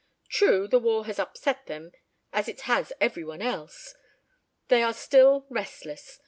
True, the war has upset them as it has every one else. They are still restless.